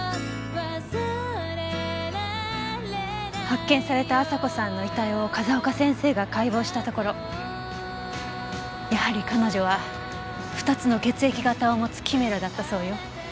発見された亜沙子さんの遺体を風丘先生が解剖したところやはり彼女は２つの血液型を持つキメラだったそうよ。